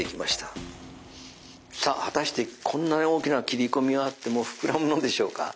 さあ果たしてこんなに大きな切込みがあってもふくらむのでしょうか。